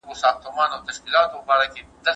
بریالي کسان به تل خپله خوشالي ساتي.